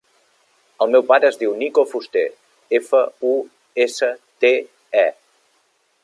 El meu pare es diu Niko Fuste: efa, u, essa, te, e.